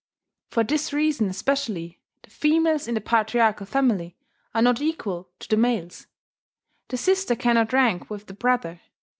For this reason especially the females in the patriarchal family are not equal to the males; the sister cannot rank with the brother.